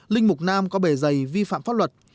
linh mục nam có bề dày vi phạm pháp luật